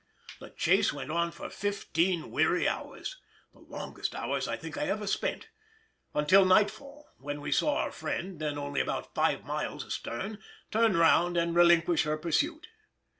The chase went on for fifteen weary hours—the longest hours I think I ever spent!—until nightfall, when we saw our friend, then only about five miles astern, turn round and relinquish her pursuit.